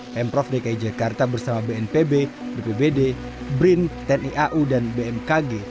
pemprov dki jakarta bersama bnpb bpbd brin tni au dan bmkg